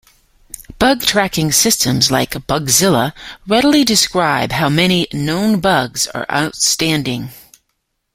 Bug tracking systems like Bugzilla readily describe how many "known" bugs are outstanding.